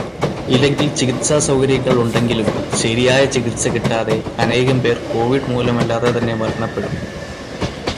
ഇല്ലെങ്കിൽ ചികിത്സാ സൗകര്യങ്ങൾ ഉണ്ടെങ്കിലും, ശരിയായ ചികിത്സ കിട്ടാതെ അനേകം പേർ കോവിഡ് മൂലമല്ലാതെ തന്നെ മരണപ്പെടും.